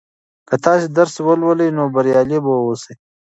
که تاسې درس ولولئ نو بریالي به سئ.